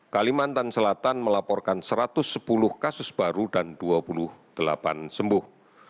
kalimantan selatan melaporkan satu ratus sepuluh kasus baru dan dua puluh delapan sembuh